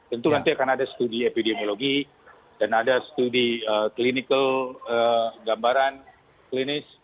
tentu nanti akan ada studi epidemiologi dan ada studi clinical gambaran klinis